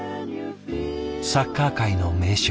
サッカー界の名将